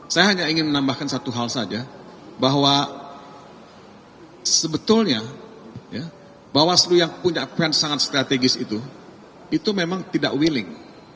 saya hanya ingin menambahkan satu hal saja bahwa sebetulnya bawaslu yang punya peran sangat strategis itu itu memang tidak willing